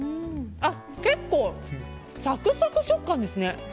結構サクサク食感ですね。